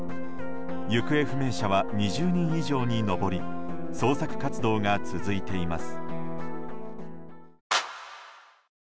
行方不明者は２０人以上に上り捜索活動が続いています。